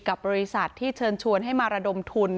กับบริษัทที่เชิญชวนให้มาระดมทุน